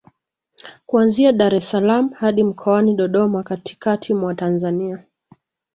kuanzia Dar es salaam hadi mkoani Dodoma katikati mwa Tanzania